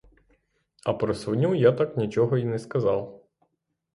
А про свиню я так нічого й не сказав.